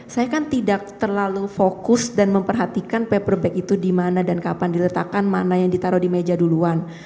saya kan tidak terlalu fokus dan memperhatikan paper bag itu di mana dan kapan diletakkan mana yang ditaruh di meja duluan